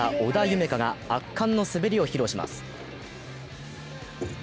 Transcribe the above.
海が圧巻の滑りを披露します。